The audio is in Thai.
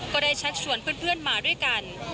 ชักชวนเพื่อนมาด้วยกัน